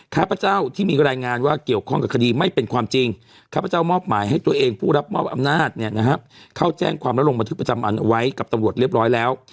ข้าพเจ้าที่มีรายงานว่าเกี่ยวข้องกับคดีไม่เป็นความจริงข้าพเจ้ามอบหมายให้ตัวเองผู้รับมอบอำนาจเนี่ยนะฮะเข้าแจ้งความและลงบันทึกประจำอันเอาไว้กับตำรวจเรียบร้อยแล้ว